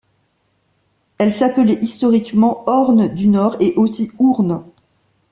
Elle s'appelait historiquement Orne du Nord et aussi Ourne.